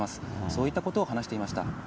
そういったことを話していました。